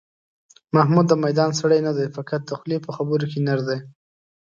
محمود د میدان سړی نه دی، فقط د خولې په خبرو کې نر دی.